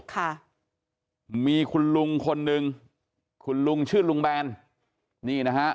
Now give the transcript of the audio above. ค่ะมีคุณลุงคนหนึ่งคุณลุงชื่อลุงแบนนี่นะฮะ